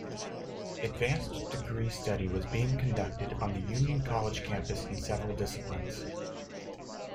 Advanced degree study was being conducted on the Union College Campus in several disciplines.